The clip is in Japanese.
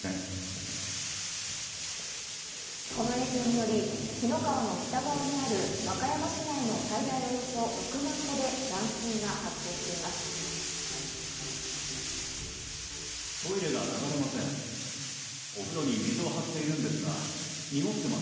この影響により紀の川の北側にある和歌山市内の最大およそ６万戸で断水が発生しています。